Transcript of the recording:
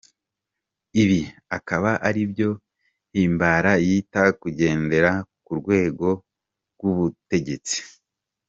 Ibi akaba aribyo Himbara yita gukendera k’urwego rw’ubutegetsi.